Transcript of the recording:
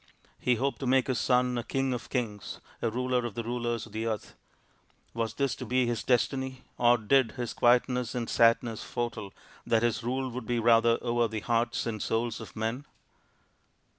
He hoped to make his son a king of kings, a ruler of the rulers of the earth. Was this to be his destiny, or did his quietness and sadness foretell that his rule would be rather over the hearts and souls of men